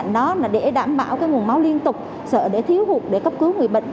đó là để đảm bảo nguồn máu liên tục sợ để thiếu hụt để cấp cứu người bệnh